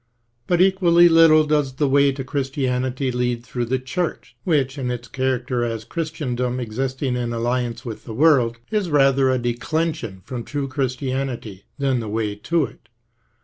But equally little does the way to Christianity lead through the Church which, in its character as Christendom existing in alliance with the world, is rather a declension from true Chris tianity than the way to it.